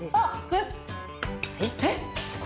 えっ！